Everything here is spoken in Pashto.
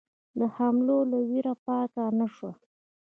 د حملو له وېرې پاکه نه شوه.